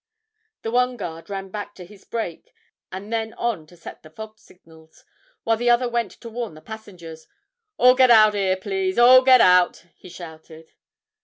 The one guard ran back to his break, and then on to set the fog signals, while the other went to warn the passengers. 'All get out 'ere, please; all get out!' he shouted.